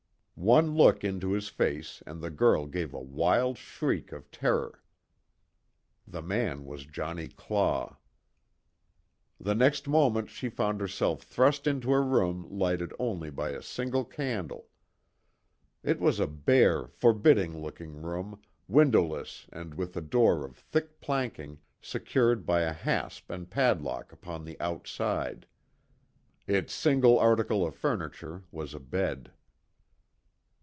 One look into his face and the girl gave a wild shriek of terror. The man was Johnnie Claw. The next moment she found herself thrust into a room lighted only by a single candle. It was a bare, forbidding looking room, windowless and with a door of thick planking, secured by a hasp and padlock upon the outside. Its single article of furniture was a bed.